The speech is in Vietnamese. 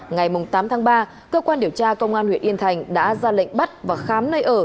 ngày tám tháng ba cơ quan điều tra công an huyện yên thành đã ra lệnh bắt và khám nơi ở